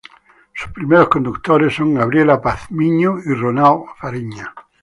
Sus primeros conductores son Gabriela Pazmiño y Ronald Fariña.